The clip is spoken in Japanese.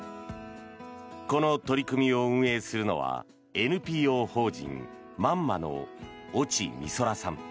この取り組みを運営するのはＮＰＯ法人ｍａｎｍａの越智未空さん。